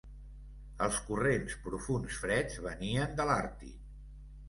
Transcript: Els corrents profunds freds venien de l'Àrtic.